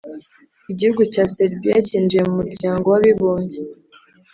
Igihugu cya Serbia cyinjiye mu muryango w’abibumbye